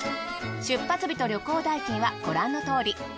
出発日と旅行代金はご覧のとおり。